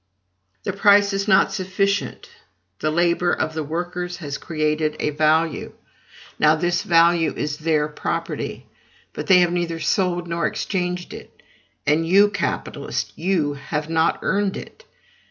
The price is not sufficient: the labor of the workers has created a value; now this value is their property. But they have neither sold nor exchanged it; and you, capitalist, you have not earned it.